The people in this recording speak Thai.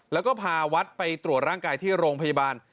แล้วก็พาวัดไปตรวจร่างกายที่โรงพยาบาล